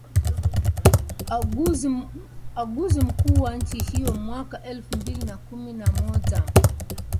anguzi mkuu wa nchi hiyo mwaka elfu mbili na kumi na moja